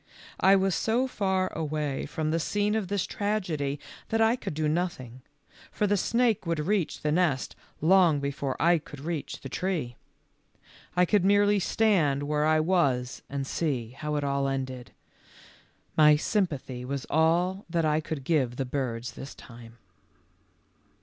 I was so far away from the scene of this tragedy that I could do nothing, for the snake would reach the nest long before I could reach HOW COCK ROBIN SAVED HIS FAMILY. 49 the tree. I could merely stand where I was and see how it all ended. My sympathy was all that I could give the birds this time.